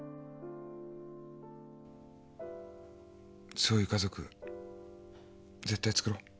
そういう家族絶対つくろう。